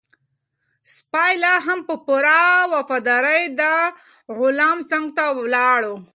سپی لا هم په پوره وفادارۍ د غلام څنګ ته ولاړ و.